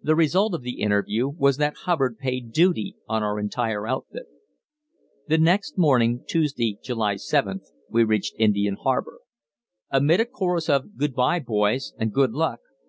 The result of the interview was that Hubbard paid duty on our entire outfit. The next morning, Tuesday, July 7th, we reached Indian Harbour. Amid a chorus of "Good bye, boys, and good luck!"